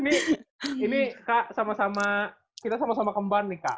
ini kak sama sama kita sama sama kemban nih kak